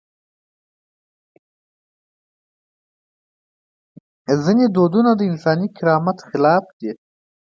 ځینې دودونه د انساني کرامت خلاف دي.